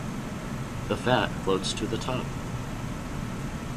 The fat floats to the top.